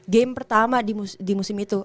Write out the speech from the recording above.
game pertama di musim itu